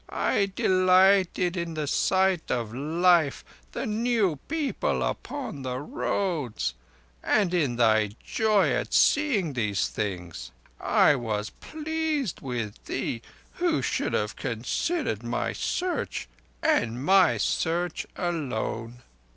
I delighted in the sight of life, the new people upon the roads, and in thy joy at seeing these things. I was pleased with thee who should have considered my Search and my Search alone.